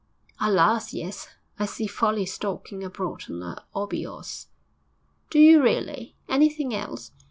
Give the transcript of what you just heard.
'Alas! yes; I see Folly stalking abroad on a 'obby 'orse.' 'Do you really? Anything else?'